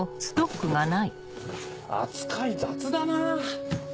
扱い雑だな！